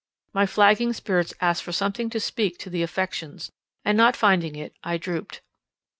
My flagging spirits asked for something to speak to the affections; and not finding it, I drooped.